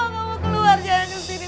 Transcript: kamu keluar jangan disini